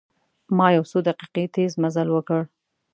ما یو څو دقیقې تیز مزل وکړ.